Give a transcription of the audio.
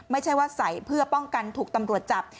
ไม่ใช่ว่าใส่เพื่อป้องกันถูกตำรวจจับ